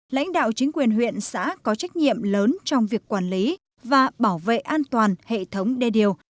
lãnh đạo chính quyền huyện xã có trách nhiệm lớn trong việc quản lý và bảo vệ an toàn hệ thống đê điều